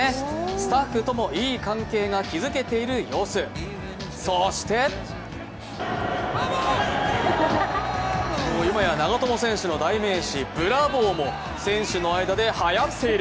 スタッフともいい関係が築けている様子、そして今や長友選手の代名詞、ブラボーも選手の間ではやっている！